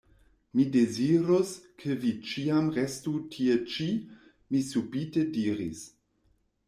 Mi dezirus, ke vi ĉiam restu tie ĉi, mi subite diris.